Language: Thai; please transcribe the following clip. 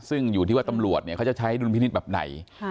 ซึ่งอยู่ที่ว่าตำรวจเขาจะใช้ดุลพินิษฐ์แบบไหน